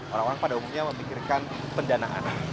orang orang pada umumnya memikirkan pendanaan